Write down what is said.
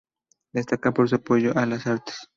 Destaca por su apoyo a las artes.